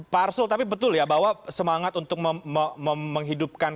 pak arsul tapi betul ya bahwa semangat untuk menghidupkan